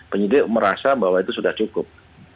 penyidik merasa bahwa itu sudah cukup